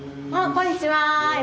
こんにちはっす。